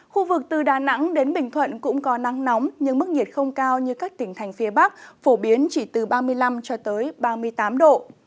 khu vực từ đà nẵng đến bình thuận cũng có nắng nóng nhưng mức nhiệt không cao như các tỉnh thành phía bắc phổ biến chỉ từ ba mươi năm ba mươi tám độ